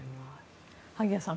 萩谷さん